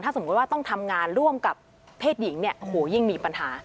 สมมุติว่าต้องทำงานร่วมกับเพศหญิงเนี่ยโอ้โหยิ่งมีปัญหา